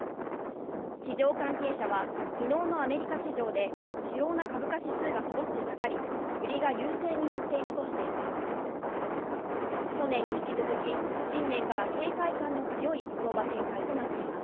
市場関係者は昨日のアメリカ市場で主要な株価指数がそろって下がり、売りが優勢になっているとしています。